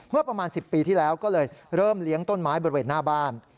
เมื่อประมาณ๑๐ปีที่แล้วก็เลยเริ่มเลี้ยงต้นไม้บริเวณหน้าบ้าน